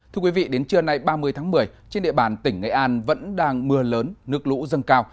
thưa quý vị đến trưa nay ba mươi tháng một mươi trên địa bàn tỉnh nghệ an vẫn đang mưa lớn nước lũ dâng cao